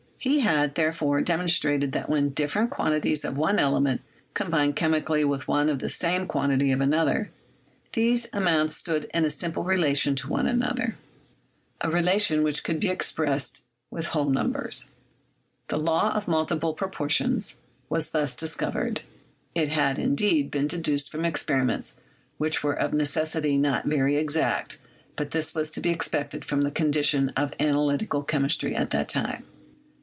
He had, there fore, demonstrated that when different quantities of one element combined chemically with one and the same quan tity of another, these amounts stood in a simple relation to one another — a relation which could be expressed by iS2 CHEMISTRY whole numbers. The "law of multiple proportions" was thus discovered; it had, indeed, been deduced from ex periments which were of necessity not very exact, but this was to be expected from the condition of analytical chemistry at that time.